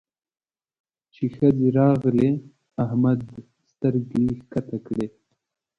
چې ښځې راغلې؛ احمد سترګې کښته کړې.